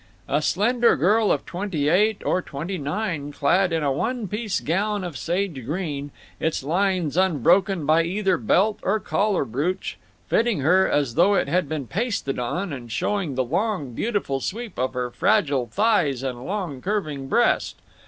A slender girl of twenty eight or twenty nine, clad in a one piece gown of sage green, its lines unbroken by either belt or collar brooch, fitting her as though it had been pasted on, and showing the long beautiful sweep of her fragile thighs and long curving breast.